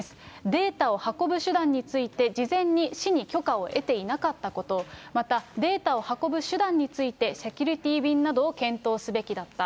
データを運ぶ手段について、事前に市に許可を得ていなかったこと、また、データを運ぶ手段についてセキュリティ便などを検討すべきだった。